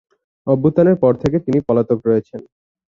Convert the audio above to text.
অভ্যুত্থানের পর থেকে তিনি পলাতক রয়েছেন।